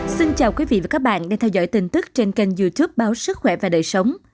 xin chào quý vị và các bạn đang theo dõi tin tức trên kênh youtube báo sức khỏe và đời sống